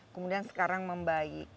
kemudian sekarang membaik